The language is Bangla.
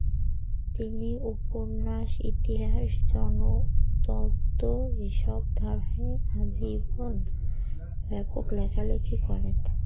তিনি উপন্যাস, ইতিহাস, জনতত্ত্ব এসব ধারায় আজীবন ব্যাপক লেখালেখি করেন।